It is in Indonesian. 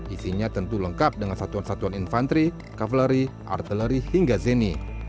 isinya tentu lengkap dengan satuan satuan infanteri kavaleri artileri hingga zeni